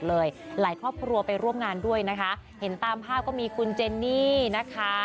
หลายครอบครัวไปร่วมงานด้วยนะคะเห็นตามภาพก็มีคุณเจนนี่นะคะ